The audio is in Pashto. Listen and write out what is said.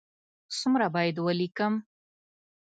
څومره باید ولیکم؟